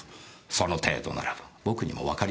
その程度ならば僕にもわかります。